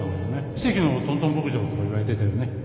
「奇跡のトントン牧場」とかいわれてたよね。